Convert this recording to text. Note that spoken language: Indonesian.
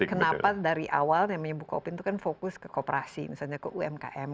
kenapa dari awal buka pintu kan fokus ke kooperasi misalnya ke umkm